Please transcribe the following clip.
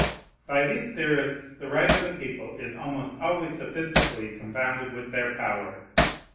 By these theorists the right of the people is almost always sophistically confounded with their power.